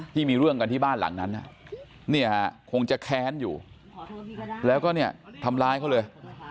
ที่มีเรื่องกันที่บ้านหลังนั้นเนี่ยคงจะแค้นอยู่แล้วก็เนี่ยทำร้ายเขาเลย